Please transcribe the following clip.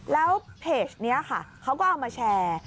แล้วเพจนี้ค่ะเขาก็เอามาแชร์